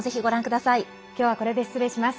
今日はこれで失礼します。